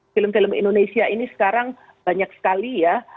film film indonesia ini sekarang banyak sekali ya